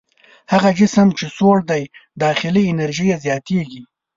هغه جسم چې سوړ دی داخلي انرژي یې زیاتیږي.